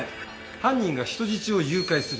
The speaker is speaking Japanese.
犯人が人質を誘拐する。